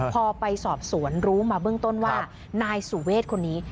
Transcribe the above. พอไปสอบสวนรู้มาเบื้องต้นว่านายสุเวทคนนี้